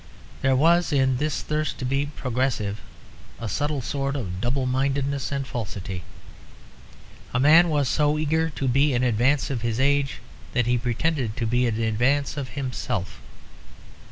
There was in this thirst to be "progressive" a subtle sort of double mindedness and falsity. A man was so eager to be in advance of his age that he pretended to be in advance of himself.